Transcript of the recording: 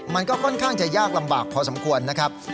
มันก็ค่อนข้างจะยากลำบากพอสมควรนะครับ